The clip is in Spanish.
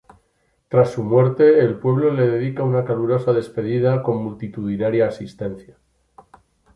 Tras su muerte el pueblo le dedica una calurosa despedida con multitudinaria asistencia.